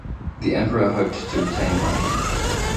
The emperor hoped to obtain money.